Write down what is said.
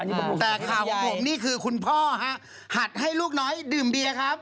แต่ข่าวของผมนี่คือคุณพ่อฮะหัดให้ลูกน้อยดื่มเบียร์ครับ